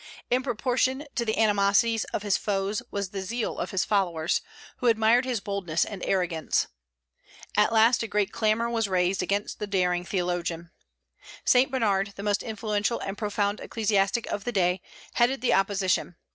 In proportion to the animosities of his foes was the zeal of his followers, who admired his boldness and arrogance. At last a great clamor was raised against the daring theologian. Saint Bernard, the most influential and profound ecclesiastic of the day, headed the opposition.